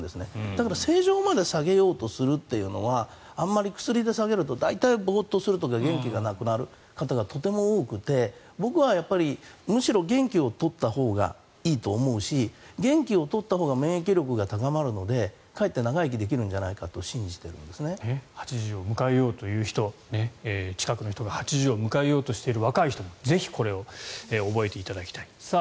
だから、正常まで下げようとするというのはあまり薬で下げると大体ぼーっとするとか元気がなくなる方がとても多くて僕はむしろ元気を取ったほうがいいと思うし元気を取ったほうが免疫力が高まるのでかえって長生きできるんじゃないかと８０を迎えようという人近くの人が８０を迎えようとしている若い人もぜひこれを覚えていただきたい。